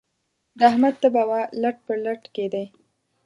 د احمد تبه وه؛ لټ پر لټ کېدی.